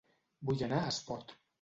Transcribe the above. Vull anar a Espot